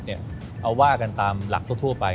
เอาว่ากันตามหลักทั่วไป